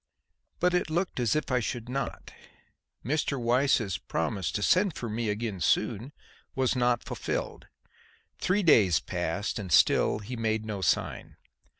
But it looked as if I should not. Mr. Weiss's promise to send for me again soon was not fulfilled. Three days passed and still he made no sign.